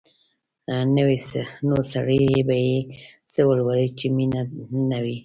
نو سړی به یې څه ولولي چې مینه نه وي؟